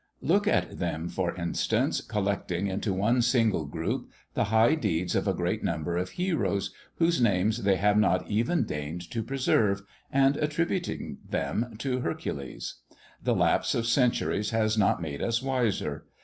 Look at them, for instance, collecting into one single group the high deeds of a great number of heroes, whose names they have not even deigned to preserve, and attributing them all to Hercules. The lapse of centuries has not made us wiser.